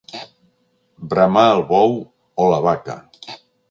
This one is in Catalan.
Bramà el bou o la vaca.